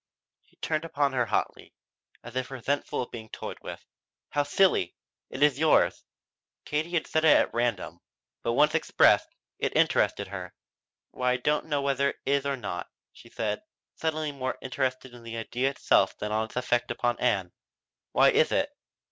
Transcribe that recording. She turned upon her hotly, as if resentful of being toyed with. "How silly! It is yours." Katie had said it at random, but once expressed it interested her. "Why I don't know whether it is or not," she said, suddenly more interested in the idea itself than in its effect upon Ann. "Why is it?